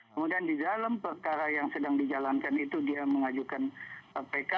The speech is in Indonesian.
kemudian di dalam perkara yang sedang dijalankan itu dia mengajukan pk